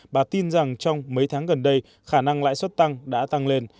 bà tin rằng trong mấy tháng gần đây khả năng lãi suất tăng đã tăng lên